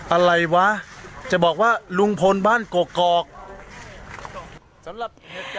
อะไรวะจะบอกว่าลุงพลบ้านกกกก